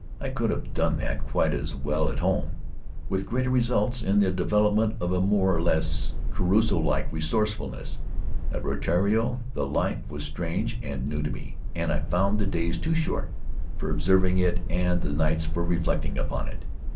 I could have done that quite as well at home, with greater results in the development of a more or less Crusoe like resourceful ness. At Rutiaro the life was strange and new to me, and I found the days too short for observing it and the nights for reflecting upon it.